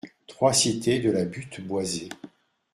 trois cité de la Butte Boisée